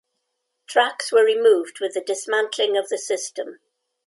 Tracks were removed with the dismantling of the system.